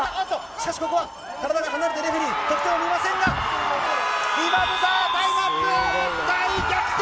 しかし、ここは体が離れて、レフェリー、得点を見ませんが、今ブザー、タイムアップ！大逆転。